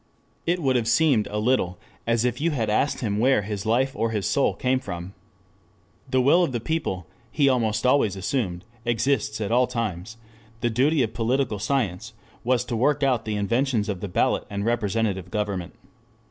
It would have seemed a little as if you had asked him where his life or his soul came from. The will of the people, he almost always assumed, exists at all times; the duty of political science was to work out the inventions of the ballot and representative government.